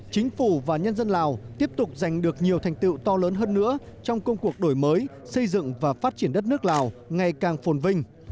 chính phủ và nhân dân lào tiếp tục giành được nhiều thành tựu to lớn hơn nữa trong công cuộc đổi mới xây dựng và phát triển đất nước lào ngày càng phồn vinh